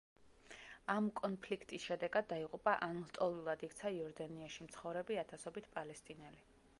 ამ კონფლიქტის შედეგად დაიღუპა ან ლტოლვილად იქცა იორდანიაში მცხოვრები ათასობით პალესტინელი.